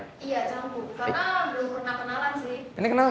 karena belum pernah kenalan sih